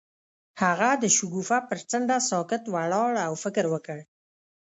هغه د شګوفه پر څنډه ساکت ولاړ او فکر وکړ.